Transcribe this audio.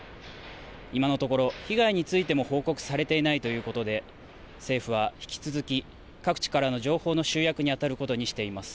今のところ、被害についても報告されていないということで、政府は引き続き、各地からの情報の集約に当たることにしています。